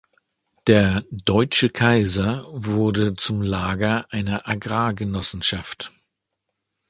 Der "Deutsche Kaiser" wurde zum Lager einer Agrar-Genossenschaft.